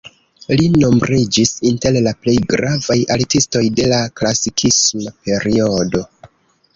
Li nombriĝis inter la plej gravaj artistoj de la klasikisma periodo.